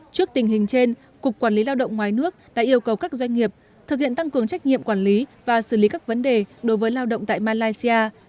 trước tình hình trên cục quản lý lao động ngoài nước đã yêu cầu các doanh nghiệp thực hiện tăng cường trách nhiệm quản lý và xử lý các vấn đề đối với lao động tại malaysia